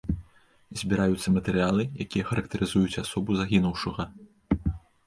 Збіраюцца матэрыялы, якія характарызуюць асобу загінуўшага.